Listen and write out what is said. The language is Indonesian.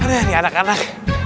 aduh ini anak anak